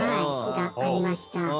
「がありました」